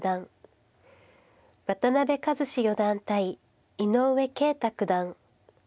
渡辺和史四段対井上慶太九段。